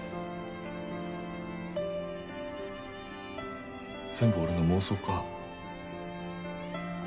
全部俺の妄想か。